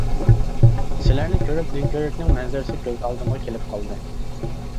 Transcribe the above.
سىلەرنى كۆرۈپ دۆڭكۆۋرۈكنىڭ مەنزىرىسى كۆز ئالدىمغا كېلىپ قالدى.